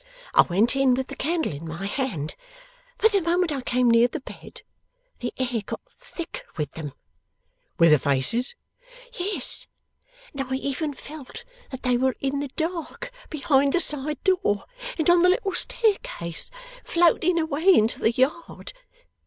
I went in with the candle in my hand; but the moment I came near the bed, the air got thick with them.' 'With the faces?' 'Yes, and I even felt that they were in the dark behind the side door, and on the little staircase, floating away into the yard.